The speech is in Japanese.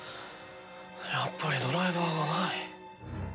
やっぱりドライバーがない。